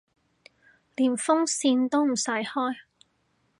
連風扇都唔使開